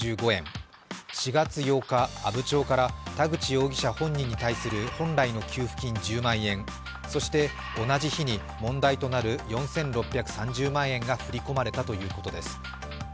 ４月８日阿武町から田口容疑者に対する本来の給付金１０万円、そして同じ日に、問題となる４６３０万円が振り込まれたということです。